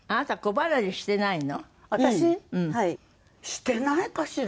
してないかしら？